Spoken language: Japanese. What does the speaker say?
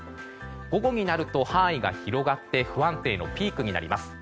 午後になると範囲が広がって不安定のピークになります。